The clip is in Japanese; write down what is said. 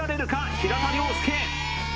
平田良介